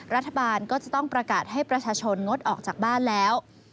รัฐบาลก็จะต้องประกาศให้ประชาชนงดออกจากบ้านแล้ว